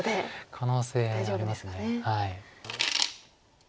可能性あります。